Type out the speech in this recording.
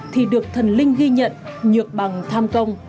thì được thần linh ghi nhận nhược bằng tham công